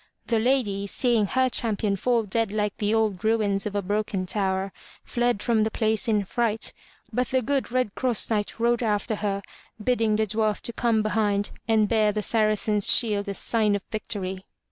The lady, seeing her champion fall dead like the old ruins of a broken tower, fled from the place in fright, but the good Red Cross Knight rode after her, bidding the dwarf to come behind and bear the Saracen's shield as sign of victory.